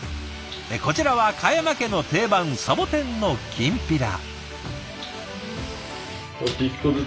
こちらは嘉山家の定番サボテンのきんぴら。